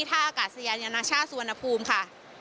ท่ากาศนะสัญญาณชาสัวนภูมิค่ะ